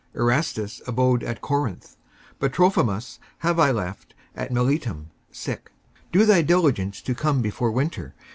55:004:020 Erastus abode at Corinth: but Trophimus have I left at Miletum sick. 55:004:021 Do thy diligence to come before winter.